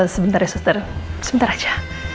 sebentar ya suster sebentar aja